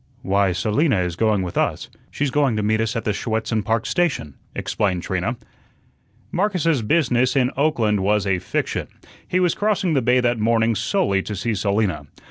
"Why, Selina is going with us." "She's going to meet us at the Schuetzen Park station" explained Trina. Marcus's business in Oakland was a fiction. He was crossing the bay that morning solely to see Selina.